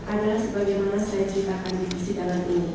adalah sebagaimana saya ceritakan di visi dalam ini